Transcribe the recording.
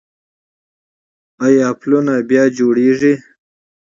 آیا پلونه ترمیم کیږي؟